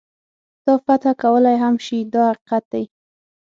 تا فتح کولای هم شي دا حقیقت دی.